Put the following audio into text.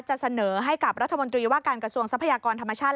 จะเสนอให้กับรัฐมนตรีว่าการกระทรวงทรัพยากรธรรมชาติ